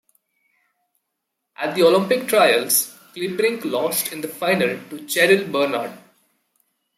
At the Olympic Trials, Kleibrink lost in the final to Cheryl Bernard.